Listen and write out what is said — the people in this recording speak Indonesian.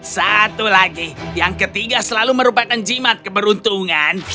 satu lagi yang ketiga selalu merupakan jimat keberuntungan